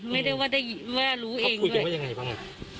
ไม่ได้ว่ารู้เองเลยเขาคุยกันว่ายังไงบ้าง